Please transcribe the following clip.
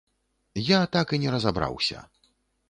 Я так і не разабраўся.